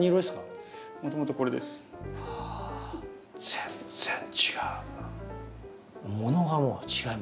全然違う。